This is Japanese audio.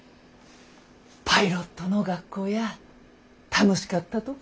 パイロットの学校や楽しかったとか？